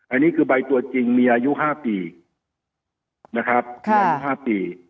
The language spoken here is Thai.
อันนี้คือใบตัวจริงมีอายุ๕ปีนะครับอายุ๕ปี